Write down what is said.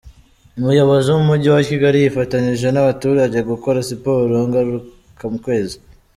Umuyobozi w’umujyi wa Kigali yifatanyije n’abaturage gukora siporo ngaruka kwezi